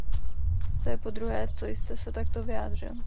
To je podruhé, co jste se takto vyjádřil.